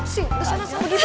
sing kesana sana pergi pergi